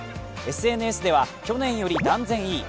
ＳＮＳでは、去年より断然いい。